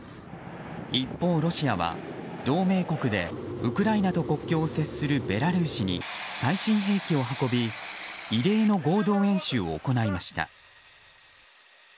一方、ロシアは同盟国でウクライナと国境を接するベラルーシに最新兵器を運び異例の合同演習を行いました。